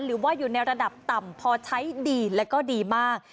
หรือว่าอยู่ในระดับต่ำพอใช้ดีแล้วก็ดีมาก